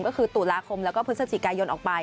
ก็คือตุลาคมแล้วก็พฤศจิกายนออกไป